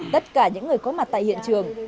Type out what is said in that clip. tất cả những người có mặt tại hiện trường